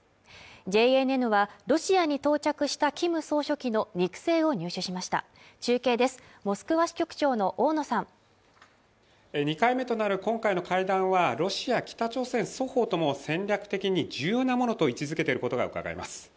ＪＮＮはロシアに到着したキム総書記の肉声を入手しました中継ですモスクワ支局長の大野さん２回目となる今回の会談はロシア・北朝鮮双方とも戦略的に重要なものと位置づけていることがうかがえます